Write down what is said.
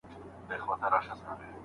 هیڅوک نسي کولای چي بیا ووژل سي.